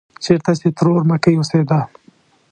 چېرته چې ترور مکۍ اوسېده.